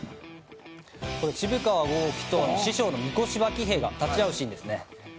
渋川剛気と師匠の神輿芝喜平が立ち会うシーンですね。